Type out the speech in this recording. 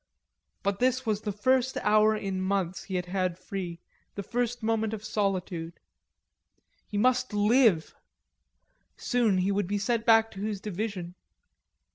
But this was the first hour in months he had had free, the first moment of solitude; he must live; soon he would be sent back to his division.